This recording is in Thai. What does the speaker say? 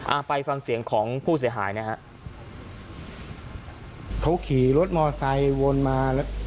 อ่าไปฟังเสียงของผู้เสียหายนะฮะเขาขี่รถมอไซค์วนมาแล้ว